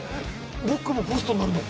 僕もホストになるの？